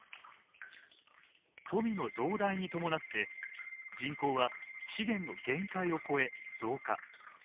富の増大に伴って人口は資源の限界を超え増加。